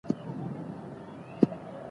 ازادي راډیو د د جګړې راپورونه ته پام اړولی.